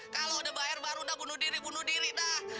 kalau udah bayar baru udah bunuh diri bunuh diri dah